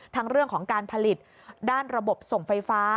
ทั้งเรื่องของการผลิตด้านระบบส่งไฟฟ้า